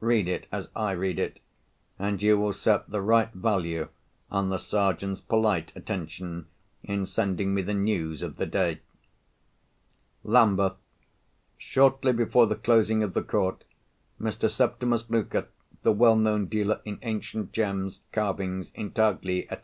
Read it as I read it, and you will set the right value on the Sergeant's polite attention in sending me the news of the day: "LAMBETH—Shortly before the closing of the court, Mr. Septimus Luker, the well known dealer in ancient gems, carvings, intagli, &c.